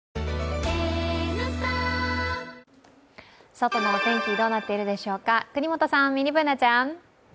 外のお天気どうなっているでしょうか國本さん、ミニＢｏｏｎａちゃん。